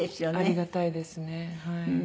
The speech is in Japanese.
ありがたいですねはい。